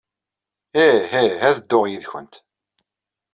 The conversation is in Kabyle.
Ih, ih, ad dduɣ yid-went.